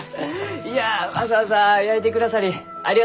いやわざわざ焼いてくださりありがとうございます。